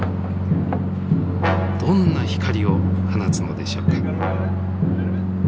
どんな光を放つのでしょうか？